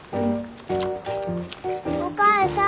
お母さん。